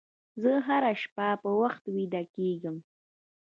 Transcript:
زه هره شپه په وخت ویده کېږم.